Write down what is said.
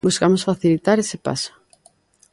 Buscamos facilitar ese paso.